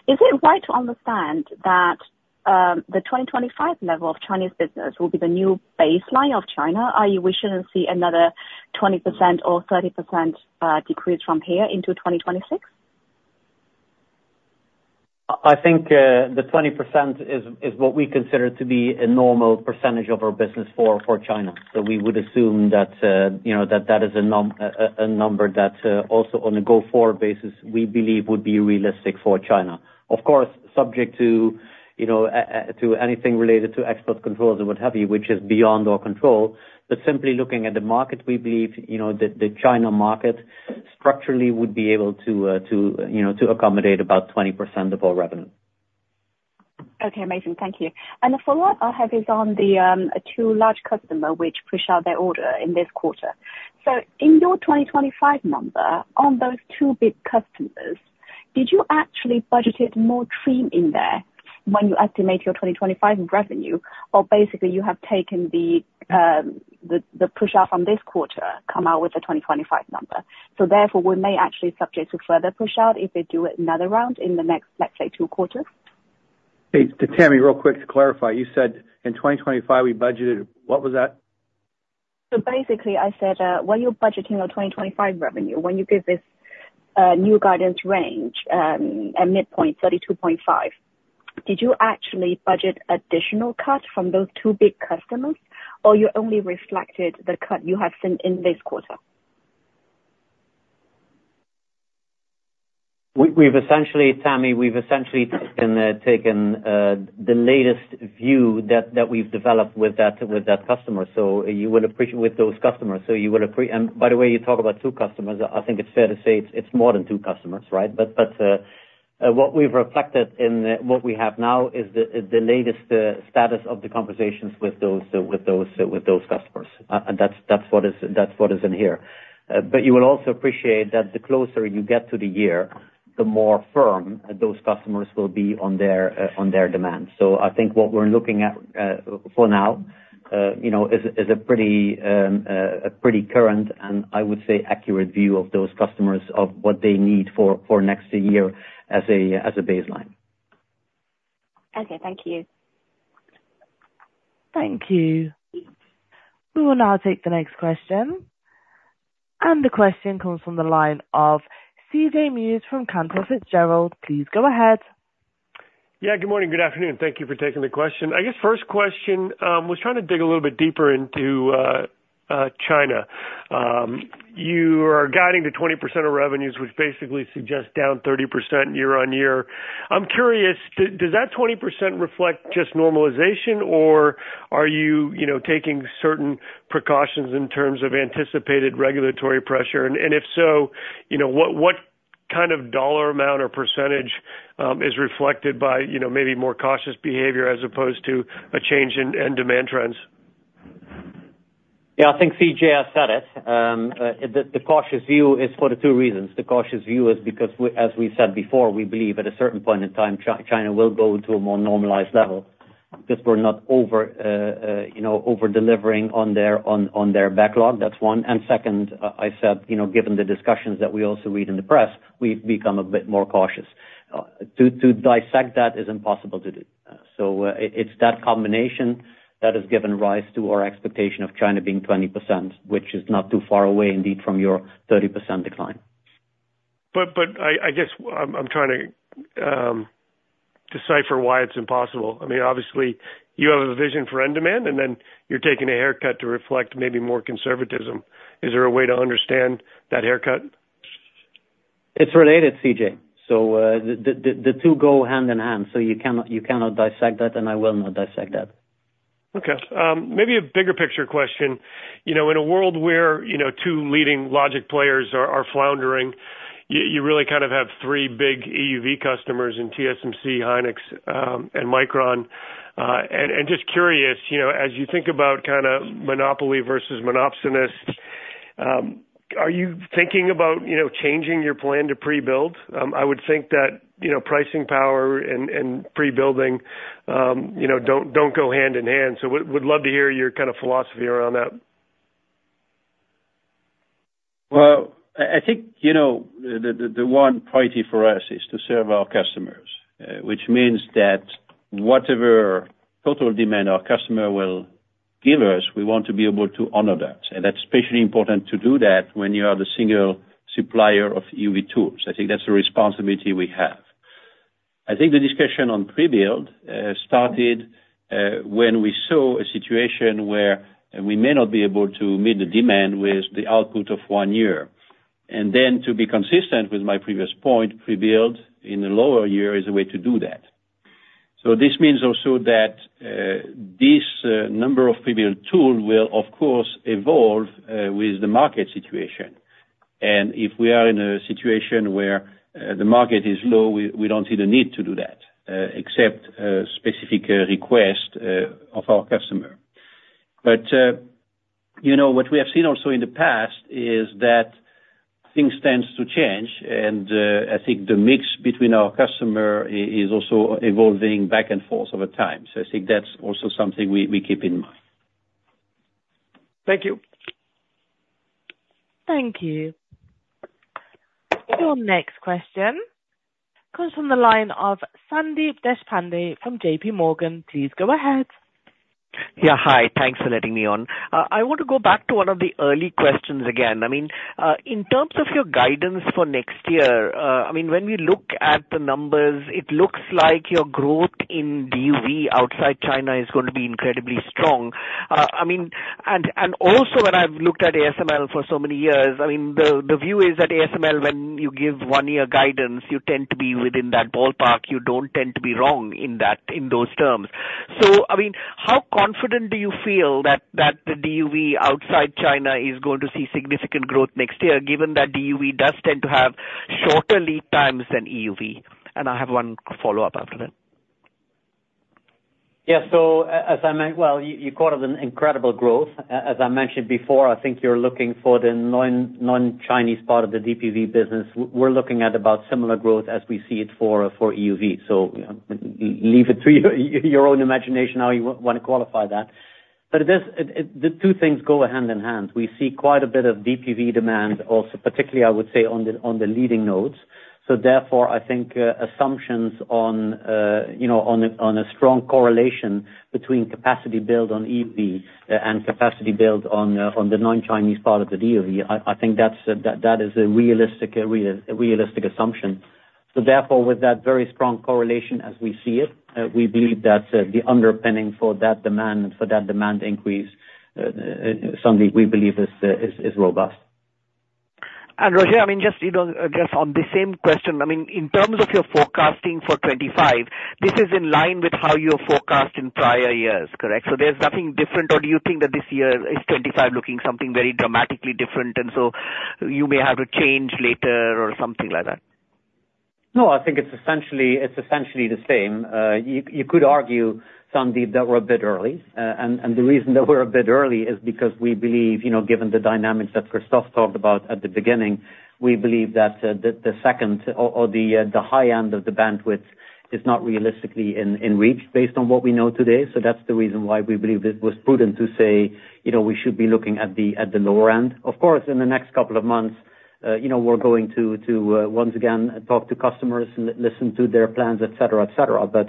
[SPEAKER 11] Is it right to understand that the 2025 level of Chinese business will be the new baseline of China? Are you wishing to see another 20% or 30% decrease from here into 2026?
[SPEAKER 4] I think the 20% is what we consider to be a normal percentage of our business for China. So we would assume that that is a number that also on a go-forward basis, we believe would be realistic for China. Of course, subject to anything related to export controls or what have you, which is beyond our control. But simply looking at the market, we believe the China market structurally would be able to accommodate about 20% of our revenue.
[SPEAKER 11] Okay. Amazing. Thank you. And the follow-up I have is on the two large customers which push out their order in this quarter. So in your 2025 number, on those two big customers, did you actually budget it more trim in there when you estimate your 2025 revenue? Or basically, you have taken the push-out from this quarter, come out with the 2025 number. So therefore, we may actually subject to further push-out if they do another round in the next, let's say, two quarters?
[SPEAKER 4] Hey, Tammy, real quick to clarify. You said in 2025, we budgeted what was that?
[SPEAKER 11] So basically, I said, when you're budgeting your 2025 revenue, when you give this new guidance range and midpoint 32.5, did you actually budget additional cuts from those two big customers? Or you only reflected the cut you have seen in this quarter?
[SPEAKER 4] We've essentially, Tammy, taken the latest view that we've developed with that customer. So you would appreciate with those customers, and by the way, you talk about two customers. I think it's fair to say it's more than two customers, right? But what we've reflected in what we have now is the latest status of the conversations with those customers. And that's what is in here. But you will also appreciate that the closer you get to the year, the more firm those customers will be on their demand. So I think what we're looking at for now is a pretty current and I would say accurate view of those customers of what they need for next year as a baseline.
[SPEAKER 11] Okay. Thank you.
[SPEAKER 1] Thank you. We will now take the next question. And the question comes from the line of C.J. Muse from Cantor Fitzgerald. Please go ahead.
[SPEAKER 12] Yeah. Good morning. Good afternoon. Thank you for taking the question. I guess first question, was trying to dig a little bit deeper into China. You are guiding to 20% of revenues, which basically suggests down 30% year-on-year. I'm curious, does that 20% reflect just normalization, or are you taking certain precautions in terms of anticipated regulatory pressure? And if so, what kind of dollar amount or percentage is reflected by maybe more cautious behavior as opposed to a change in demand trends?
[SPEAKER 4] Yeah. I think C.J. has said it. The cautious view is for the two reasons. The cautious view is because, as we said before, we believe at a certain point in time, China will go to a more normalized level because we're not over-delivering on their backlog. That's one. And second, I said, given the discussions that we also read in the press, we've become a bit more cautious. To dissect that is impossible to do. So it's that combination that has given rise to our expectation of China being 20%, which is not too far away indeed from your 30% decline.
[SPEAKER 12] But I guess I'm trying to decipher why it's impossible. I mean, obviously, you have a vision for end demand, and then you're taking a haircut to reflect maybe more conservatism. Is there a way to understand that haircut?
[SPEAKER 4] It's related, CJ. So the two go hand in hand. So you cannot dissect that, and I will not dissect that.
[SPEAKER 12] Okay. Maybe a bigger picture question. In a world where two leading logic players are floundering, you really kind of have three big EUV customers in TSMC, Hynix, and Micron, and just curious, as you think about kind of monopoly versus monopsonist, are you thinking about changing your plan to pre-build? I would think that pricing power and pre-building don't go hand in hand, so we'd love to hear your kind of philosophy around that.
[SPEAKER 3] I think the one priority for us is to serve our customers, which means that whatever total demand our customer will give us, we want to be able to honor that. And that's especially important to do that when you are the single supplier of EUV tools. I think that's the responsibility we have. I think the discussion on pre-build started when we saw a situation where we may not be able to meet the demand with the output of one year. And then to be consistent with my previous point, pre-build in the lower year is a way to do that. So this means also that this number of pre-build tools will, of course, evolve with the market situation. And if we are in a situation where the market is low, we don't see the need to do that except specific requests of our customer. But what we have seen also in the past is that things tend to change, and I think the mix between our customer is also evolving back and forth over time, so I think that's also something we keep in mind.
[SPEAKER 12] Thank you.
[SPEAKER 1] Thank you. Your next question comes from the line of Sandeep Deshpande from JPMorgan. Please go ahead.
[SPEAKER 13] Yeah. Hi. Thanks for letting me on. I want to go back to one of the early questions again. I mean, in terms of your guidance for next year, I mean, when we look at the numbers, it looks like your growth in DUV outside China is going to be incredibly strong. I mean, and also when I've looked at ASML for so many years, I mean, the view is that ASML, when you give one-year guidance, you tend to be within that ballpark. You don't tend to be wrong in those terms. So I mean, how confident do you feel that the DUV outside China is going to see significant growth next year, given that DUV does tend to have shorter lead times than EUV? And I have one follow-up after that.
[SPEAKER 4] Yeah. So as I mentioned, well, you caught up on incredible growth. As I mentioned before, I think you're looking for the non-Chinese part of the DUV business. We're looking at about similar growth as we see it for EUV. So leave it to your own imagination how you want to qualify that. But the two things go hand in hand. We see quite a bit of DUV demand also, particularly, I would say, on the leading nodes. So therefore, I think assumptions on a strong correlation between capacity build on EUV and capacity build on the non-Chinese part of the DUV, I think that is a realistic assumption. So therefore, with that very strong correlation as we see it, we believe that the underpinning for that demand increase, fundamentally, we believe is robust.
[SPEAKER 13] Roger, I mean, just on the same question, I mean, in terms of your forecasting for 2025, this is in line with how you have forecast in prior years, correct? So there's nothing different, or do you think that this year is 2025 looking something very dramatically different? And so you may have to change later or something like that?
[SPEAKER 4] No, I think it's essentially the same. You could argue, Sandy, that we're a bit early, and the reason that we're a bit early is because we believe, given the dynamics that Christophe talked about at the beginning, we believe that the second or the high end of the bandwidth is not realistically in reach based on what we know today, so that's the reason why we believe it was prudent to say we should be looking at the lower end. Of course, in the next couple of months, we're going to once again talk to customers and listen to their plans, etc., etc., but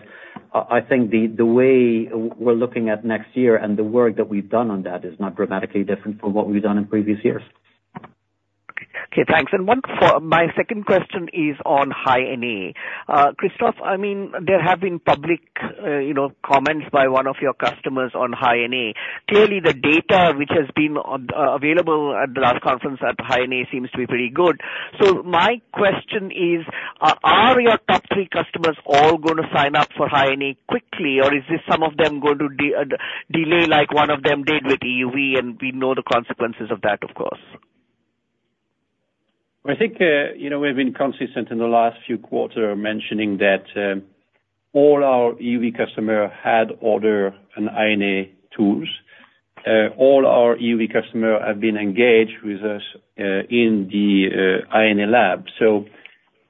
[SPEAKER 4] I think the way we're looking at next year and the work that we've done on that is not dramatically different from what we've done in previous years.
[SPEAKER 13] Okay. Thanks. And my second question is on High NA. Christophe, I mean, there have been public comments by one of your customers on High NA. Clearly, the data which has been available at the last conference on High NA seems to be pretty good. So my question is, are your top three customers all going to sign up for High NA quickly, or is this some of them going to delay like one of them did with EUV? And we know the consequences of that, of course.
[SPEAKER 3] I think we have been consistent in the last few quarters mentioning that all our EUV customers had ordered High NA tools. All our EUV customers have been engaged with us in the High NA lab. So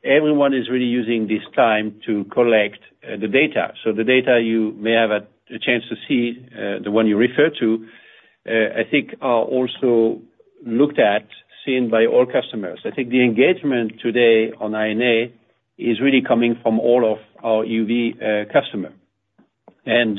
[SPEAKER 3] everyone is really using this time to collect the data. So the data you may have a chance to see, the one you refer to, I think are also looked at, seen by all customers. I think the engagement today on High NA is really coming from all of our EUV customers. And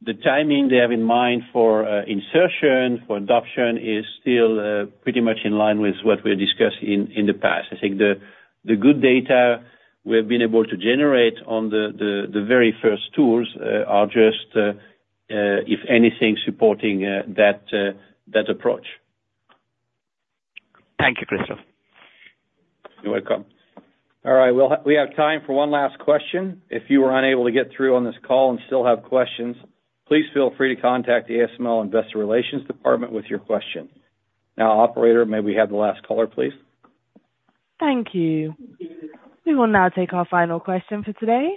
[SPEAKER 3] the timing they have in mind for insertion, for adoption, is still pretty much in line with what we've discussed in the past. I think the good data we have been able to generate on the very first tools are just, if anything, supporting that approach.
[SPEAKER 13] Thank you, Christophe.
[SPEAKER 3] You're welcome. All right. We have time for one last question. If you were unable to get through on this call and still have questions, please feel free to contact the ASML Investor Relations Department with your question. Now, operator, may we have the last caller, please?
[SPEAKER 1] Thank you. We will now take our final question for today.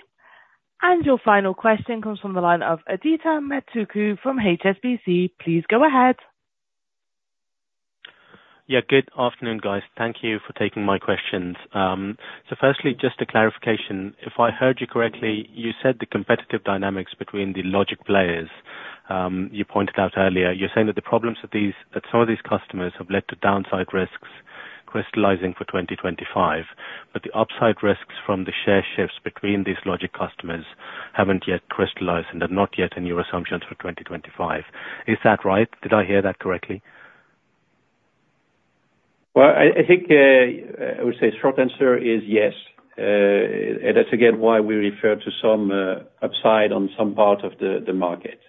[SPEAKER 1] And your final question comes from the line of Adithya Metuku from HSBC. Please go ahead.
[SPEAKER 14] Yeah. Good afternoon, guys. Thank you for taking my questions. So firstly, just a clarification. If I heard you correctly, you said the competitive dynamics between the logic players you pointed out earlier. You're saying that the problems that some of these customers have led to downside risks crystallizing for 2025, but the upside risks from the share shifts between these logic customers haven't yet crystallized and are not yet in your assumptions for 2025. Is that right? Did I hear that correctly?
[SPEAKER 3] I think I would say the short answer is yes, and that's again why we refer to some upside on some part of the market.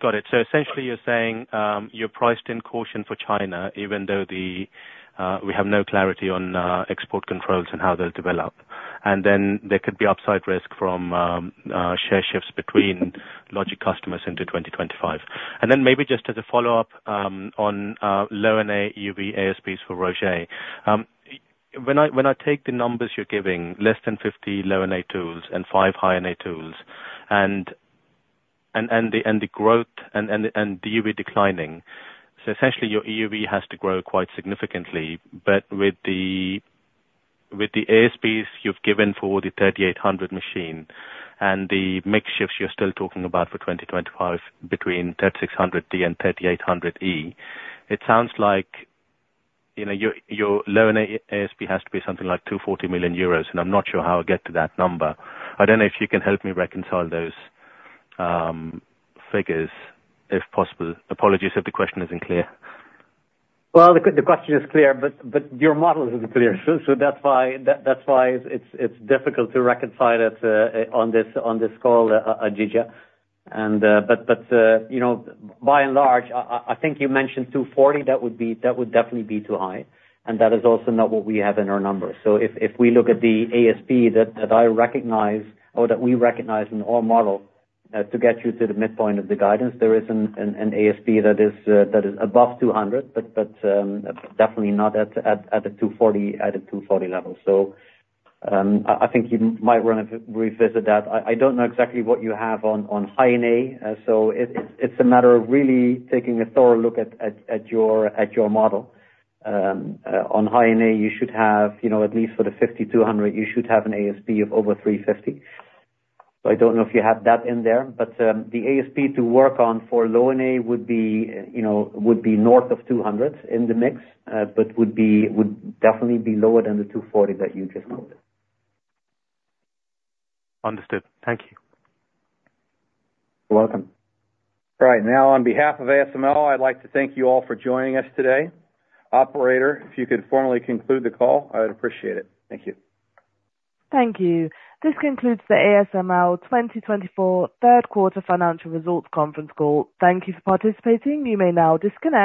[SPEAKER 14] Got it. So essentially, you're saying you're priced in caution for China, even though we have no clarity on export controls and how they'll develop. And then there could be upside risk from share shifts between logic customers into 2025. And then maybe just as a follow-up on Low NA EUV ASPs for Roger, when I take the numbers you're giving, less than 50 Low NA tools and five high-NA tools, and the growth and the EUV declining, so essentially your EUV has to grow quite significantly. But with the ASPs you've given for the 3800 machine and the mix shifts you're still talking about for 2025 between 3600D and 3800E, it sounds like your Low NA ASP has to be something like 240 million euros. And I'm not sure how I get to that number. I don't know if you can help me reconcile those figures if possible. Apologies if the question isn't clear.
[SPEAKER 4] The question is clear, but your model isn't clear. That's why it's difficult to reconcile it on this call, Adithya. But by and large, I think you mentioned 240, that would definitely be too high. And that is also not what we have in our numbers. If we look at the ASP that I recognize or that we recognize in our model to get you to the midpoint of the guidance, there is an ASP that is above 200, but definitely not at a 240 level. I think you might want to revisit that. I don't know exactly what you have on High NA. It's a matter of really taking a thorough look at your model. On High NA, you should have at least for the 5200, you should have an ASP of over 350. I don't know if you have that in there. But the ASP to work on for Low NA would be north of 200 in the mix, but would definitely be lower than the 240 that you just noted.
[SPEAKER 14] Understood. Thank you.
[SPEAKER 4] You're welcome.
[SPEAKER 2] All right. Now, on behalf of ASML, I'd like to thank you all for joining us today. Operator, if you could formally conclude the call, I'd appreciate it. Thank you.
[SPEAKER 1] Thank you. This concludes the ASML 2024 third quarter financial results conference call. Thank you for participating. You may now disconnect.